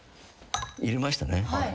入れましたね。